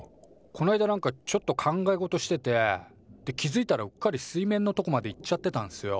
こないだなんかちょっと考え事しててって気づいたらうっかり水面のとこまで行っちゃってたんすよ。